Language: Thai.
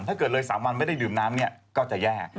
ถ้าเกิดเลย๓วันไม่ได้ดื่มน้ำเนี่ยก็จะแย่